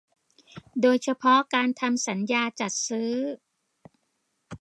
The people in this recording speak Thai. โดยเฉพาะการทำสัญญาจัดซื้อ